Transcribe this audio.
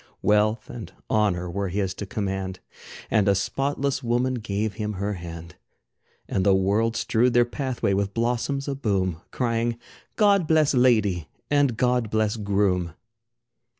Wealth and honor were his to command, And a spotless woman gave him her hand. And the world strewed their pathway with blossoms aboom, Crying "God bless ladye, and God bless groom!"